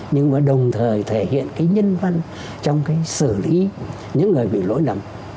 nhưng mà đồng thời thể hiện cái nhân văn trong cái xử lý những người bị lỗi lầm